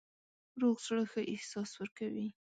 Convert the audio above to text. روغ زړه ښه احساس ورکوي.